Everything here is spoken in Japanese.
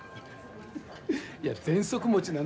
いやぜんそく持ちなのよ